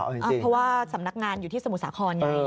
เพราะว่าสำนักงานอยู่ที่สมุทรสาครไง